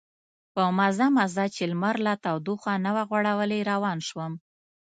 په مزه مزه چې لمر لا تودوخه نه وه غوړولې روان شوم.